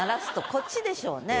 こっちでしょうね。